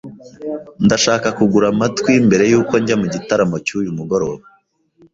Ndashaka kugura amatwi mbere yuko njya mu gitaramo cy'uyu mugoroba.